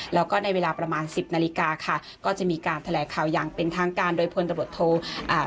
แล้วก็ในเวลาประมาณสิบนาฬิกาค่ะก็จะมีการแถลงข่าวอย่างเป็นทางการโดยพลตำรวจโทอ่า